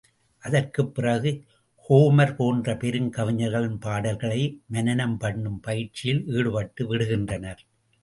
அதற்குப் பிறகு ஹோமர் போன்ற பெருங் கவிஞர்களின் பாடல்களை மனனம் பண்ணும் பயிற்சியில் ஈடுபட்டு விடுகின்றனர்.